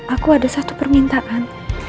aku ada satu permintaan